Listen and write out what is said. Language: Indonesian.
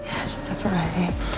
ya setepan kasih